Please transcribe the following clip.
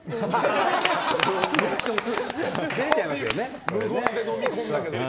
照れちゃいましたよね。